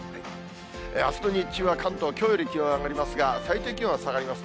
あすの日中は関東、きょうより気温上がりますが、最低気温は下がります。